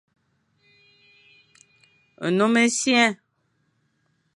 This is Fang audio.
Nnom essiang.